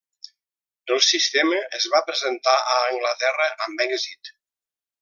El sistema es va presentar a Anglaterra amb èxit.